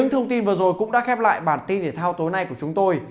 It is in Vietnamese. những thông tin vừa rồi cũng đã khép lại bản tin thể thao tối nay của chúng tôi